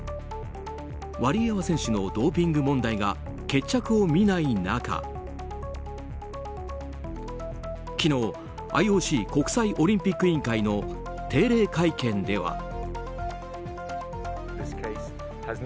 ワリエワ選手のドーピング問題が決着を見ない中昨日、ＩＯＣ・国際オリンピック委員会の定例会見では。